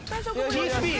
Ｔスピン！